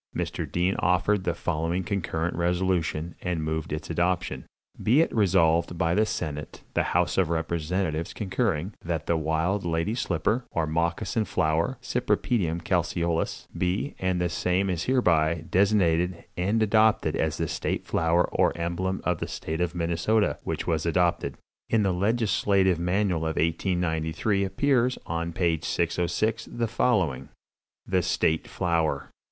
"Mr. Dean offered the following concurrent resolution, and moved its adoption: "'Be it resolved by the senate, the house of representatives concurring, that the wild Lady Slipper, or Moccasin Flower ('Cypripedium Calceolous'), be, and the same is hereby, designated and adopted as the state flower or emblem of the State of Minnesota,' which was adopted." In the Legislative Manual of 1893 appears, on page 606, the following: "THE STATE FLOWER.